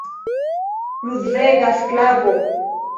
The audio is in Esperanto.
Ruzega sklavo!